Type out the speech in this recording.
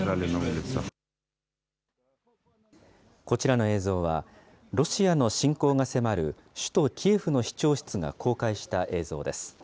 こちらの映像は、ロシアの侵攻が迫る首都キエフの市長室が公開した映像です。